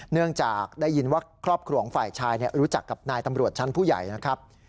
เนื่องจากได้ยินว่าครอบครัวของฝ่ายชายรู้จักกับนายตำรวจชั้นผู้ใหญ่นะครับ